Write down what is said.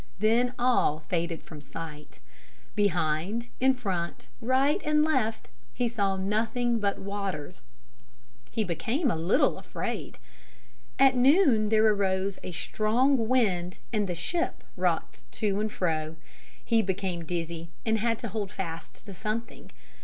Then all faded from sight. Behind, in front, right and left, he saw nothing but waters. He became a little afraid. At noon there arose a strong wind and the ship rocked to and fro. He became dizzy and had to hold fast to something.